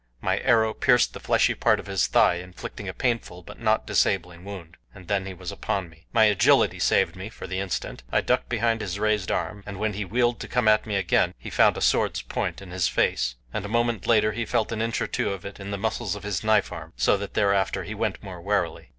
My arrow pierced the fleshy part of his thigh, inflicting a painful but not disabling wound. And then he was upon me. My agility saved me for the instant. I ducked beneath his raised arm, and when he wheeled to come at me again he found a sword's point in his face. And a moment later he felt an inch or two of it in the muscles of his knife arm, so that thereafter he went more warily.